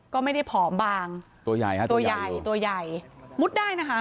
ก็ไม่ได้ผอมบางตัวใหญ่ฮะตัวใหญ่ตัวใหญ่มุดได้นะคะ